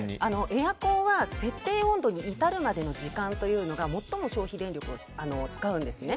エアコンは設定温度に至るまでの時間というのが最も消費電力を使うんです。